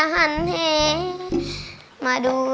ครับ